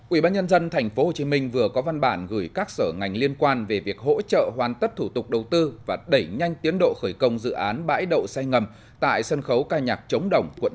ubnd tp hcm vừa có văn bản gửi các sở ngành liên quan về việc hỗ trợ hoàn tất thủ tục đầu tư và đẩy nhanh tiến độ khởi công dự án bãi đậu say ngầm tại sân khấu ca nhạc chống đồng quận một